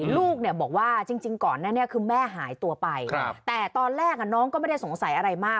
ลูกเนี่ยบอกว่าจริงก่อนหน้านี้คือแม่หายตัวไปแต่ตอนแรกน้องก็ไม่ได้สงสัยอะไรมาก